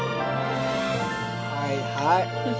はいはい。